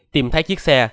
tìm thấy chiếc xe